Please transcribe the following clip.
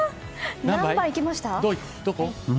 何杯いきました？